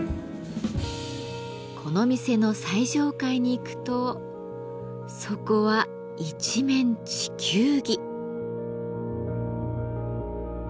この店の最上階に行くとそこは一面地球儀。